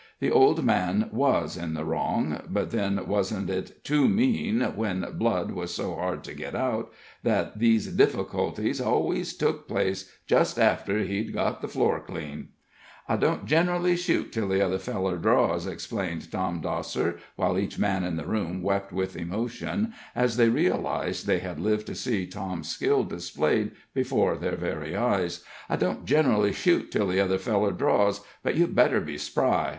The old man was in the wrong; but, then, wasn't it too mean, when blood was so hard to get out, that these difficulties always took place just after he'd got the floor clean? [Illustration: "I DON'T GENERALLY SHOOT TILL THE OTHER FELLER DRAWS."] "I don't generally shoot till the other feller draws," explained Tom Dosser, while each man in the room wept with emotion as they realized they had lived to see Tom's skill displayed before their very eyes "I don't generally shoot till the other feller draws; but you'd better be spry.